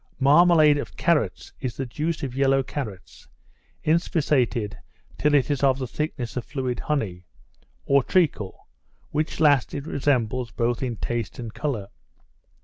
Marmalade of carrots is the juice of yellow carrots, inspissated till it is of the thickness of fluid honey, or treacle, which last it resembles both in taste and colour.